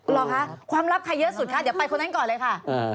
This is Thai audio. เหรอคะความลับใครเยอะสุดคะเดี๋ยวไปคนนั้นก่อนเลยค่ะ